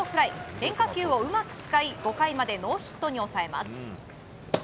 変化球をうまく使い５回までノーヒットに抑えます。